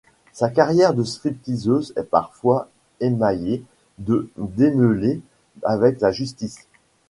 Sa carrière de stripteaseuse est parfois émaillée de démêlés avec la justice.